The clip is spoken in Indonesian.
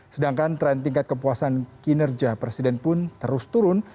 sedangkan tren tingkat kepuasan kinerja presiden pun terus turun